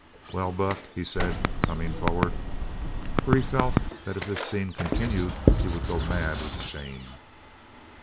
"Well, Buck?" he said, coming forward. For he felt that if this scene continued he would go mad with shame.